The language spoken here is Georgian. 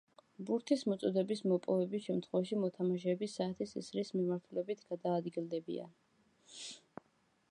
ბურთის მოწოდების მოპოვების შემთხვევაში მოთამაშეები საათის ისრის მიმართულებით გადაადგილდებიან.